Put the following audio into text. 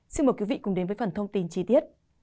xin mời quý vị cùng đến với phần thông tin chi tiết